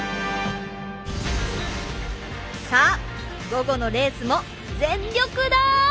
さあ午後のレースも全力だ！